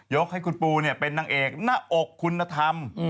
ให้คุณปูเป็นนางเอกหน้าอกคุณธรรม